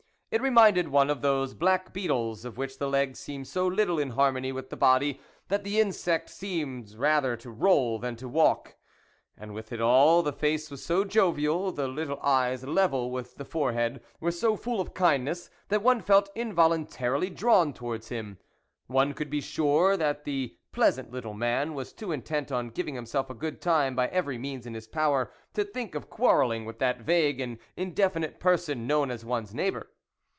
It reminded one of those black beetles of which the legs seem so little in harmony with the body, that the insects seem rather to roll than to walk. And with it all, the face was so jovial, the little eyes level with the forehead, were so full of kindness, that one felt involuntarily drawn towards him; one could be sure that the pleasant little man was too intent on giving himself a good time, by every means in his power, to think of quarrelling with that vague and indefinite person known as one's neighbour.